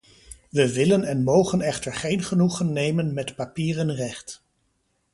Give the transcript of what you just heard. We willen en mogen echter geen genoegen nemen met papieren recht.